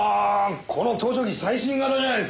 この盗聴器最新型じゃないですか。